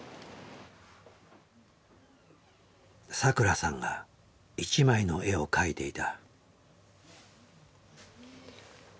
さくらさんが一枚の絵を描いていた。